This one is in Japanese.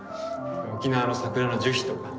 沖縄の桜の樹皮とか。